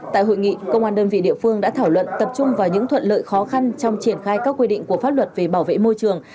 tại hội nghị công an đơn vị địa phương đã thảo luận tập trung vào những thuận lợi khó khăn trong triển khai các quy định của pháp luật về bảo vệ môi trường